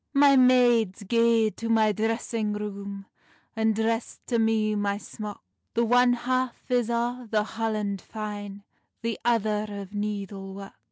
"My maids, gae to my dressing room, And dress to me my smock; The one half is o the holland fine, The other o needle work."